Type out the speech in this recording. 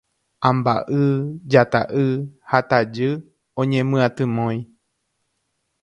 Amba'y, jata'y ha tajy oñemyatymói